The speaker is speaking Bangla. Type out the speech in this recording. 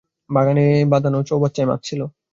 বাগানে বাঁধানো চৌবাচ্চায় মাছ ছিল।